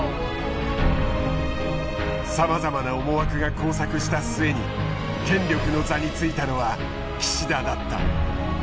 さまざまな思惑が交錯した末に権力の座についたのは岸田だった。